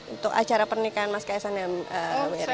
untuk acara pernikahan mas kaisang dan mbak eri